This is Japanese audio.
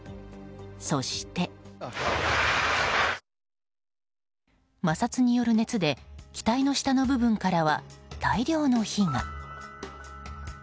そして、摩擦による熱で機体の下の部分から大量の火が。